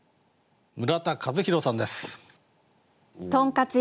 村田一広さんです。